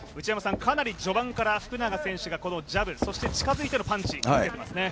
かなり序盤から福永選手が近づいてのパンチ、出てますね。